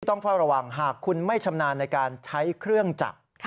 ต้องเฝ้าระวังหากคุณไม่ชำนาญในการใช้เครื่องจักร